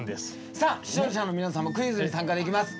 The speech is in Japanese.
さあ視聴者の皆さんもクイズに参加できます。